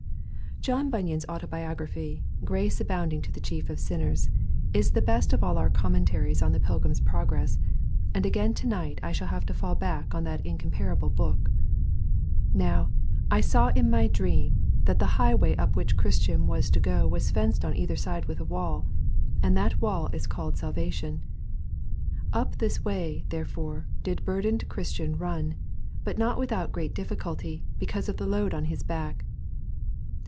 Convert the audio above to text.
John Bunyan's autobiography, Grace Abounding to the Chief of Sinners, is the best of all our commentaries on The Pilgrim's Progress, and again to night I shall have to fall back on that incomparable book. 'Now, I saw in my dream that the highway up which Christian was to go was fenced on either side with a wall, and that wall is called Salvation. Up this way, therefore, did burdened Christian run, but not without great difficulty, because of the load on his back.'